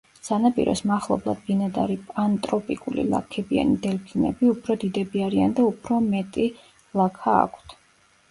სანაპიროს მახლობლად ბინადარი პანტროპიკული ლაქებიანი დელფინები უფრო დიდები არიან და უფრო მეტი ლაქა აქვთ.